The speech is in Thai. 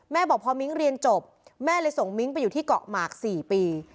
บอกพอมิ้งเรียนจบแม่เลยส่งมิ้งไปอยู่ที่เกาะหมาก๔ปี